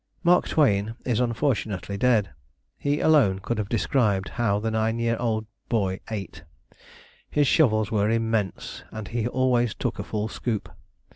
Mark Twain is unfortunately dead. He alone could have described how the nine year old boy ate: his shovels were immense, and he always took a full scoop.